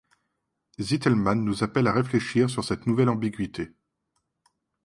Zitelmann nous appelle à réfléchir sur cette nouvelle ambiguïté.